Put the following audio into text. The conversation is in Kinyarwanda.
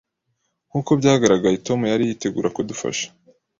Nkuko byagaragaye, Tom yari yiteguye kudufasha